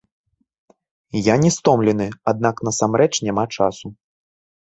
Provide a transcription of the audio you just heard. Я не стомлены, аднак насамрэч няма часу.